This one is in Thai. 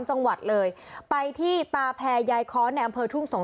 จังหวัดเลยไปที่ตาแพรยายค้อนในอำเภอทุ่งสง